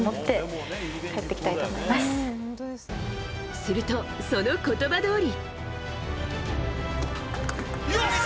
すると、その言葉どおり。